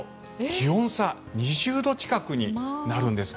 気温差２０度近くになるんです。